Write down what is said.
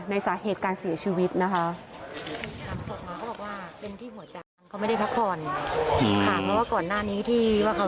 สาเหตุการเสียชีวิตนะคะ